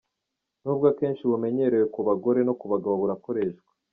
Nubwo akenshi bumenyerewe ku bagore, no ku bagabo burakoreshwa.